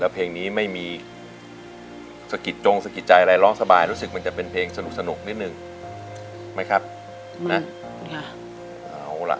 เพลงนี้ไม่มีสะกิดจงสะกิดใจอะไรร้องสบายรู้สึกมันจะเป็นเพลงสนุกนิดนึงไหมครับนะเอาล่ะ